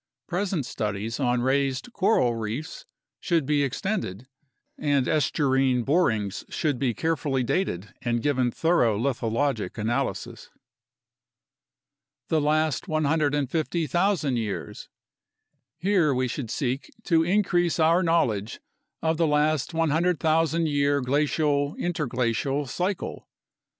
Present studies on raised coral reefs should be extended, and estuarine borings should be carefully dated and given thorough lithologic analysis. The last 150,000 years. Here we should seek to increase our knowl edge of the last 100,000 year glacial interglacial cycle.